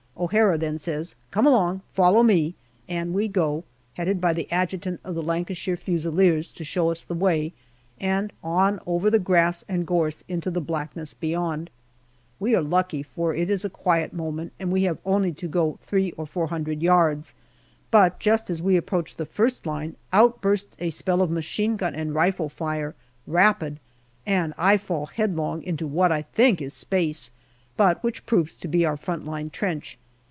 O'Hara then says, " Come along; follow me/* and we go, headed by the Adjutant of the Lancashire Fusiliers to show us the way, and on over the grass and gorse into the blackness beyond. We are lucky, for it is a quiet moment and we have only to go three or four hundred yards, but just as we approach the first line, out bursts a spell of machine gun and rifle fire rapid and I fall headlong into what I think is space, but which proves to be our front line trench.